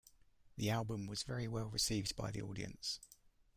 The album was very well received by the audience.